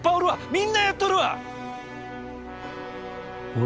みんなやっとるわ！